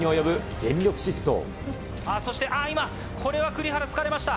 ああ、そして、ああ、今、これは栗原、疲れました。